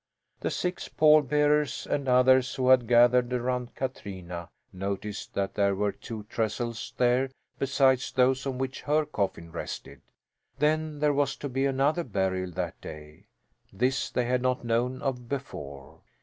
The six pall bearers and others who had gathered around Katrina noticed that there were two trestles there besides those on which her coffin rested. Then there was to be another burial that day. This they had not known of before.